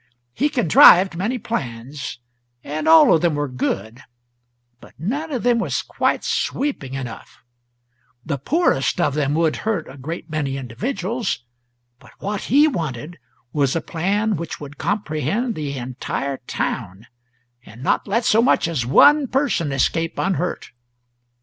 He contrived many plans, and all of them were good, but none of them was quite sweeping enough: the poorest of them would hurt a great many individuals, but what he wanted was a plan which would comprehend the entire town, and not let so much as one person escape unhurt.